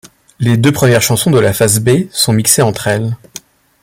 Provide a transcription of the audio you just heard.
Les deux premières chansons de la face B sont mixées entre elles.